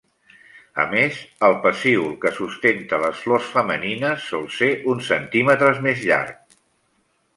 A més, el pecíol que sustenta les flors femenines sol ser uns centímetres més llarg.